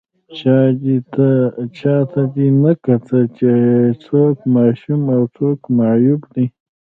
چا دې ته نه کتل چې څوک ماشوم او څوک معیوب دی